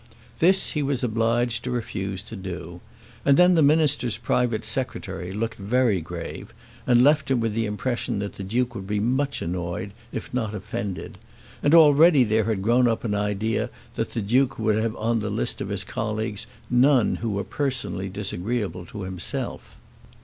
This he was obliged to refuse to do. And then the Minister's private Secretary looked very grave, and left him with the impression that the Duke would be much annoyed, if not offended. And already there had grown up an idea that the Duke would have on the list of his colleagues none who were personally disagreeable to himself.